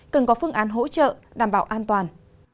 cần có phương án hỗ trợ đảm bảo an toàn